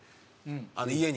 家に。